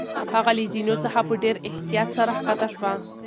هغه له زینو څخه په ډېر احتیاط سره کښته شوه.